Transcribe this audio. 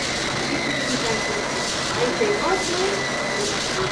Tata Power: Es una central de carbón.